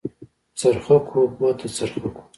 څرخکو بوته څرخکو.